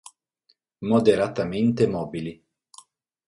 Moderatamente mobili.